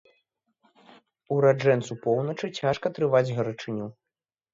Ураджэнцу поўначы цяжка трываць гарачыню.